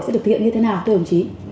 viện như thế nào thưa đồng chí